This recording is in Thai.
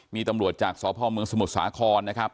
มีตำรวจจากสพเมืองสมุทรสาครนะครับ